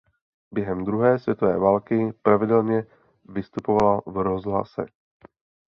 Během druhé světové války pravidelně vystupovala v rozhlase.